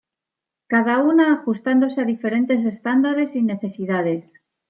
Cada una ajustándose a diferentes estándares y necesidades.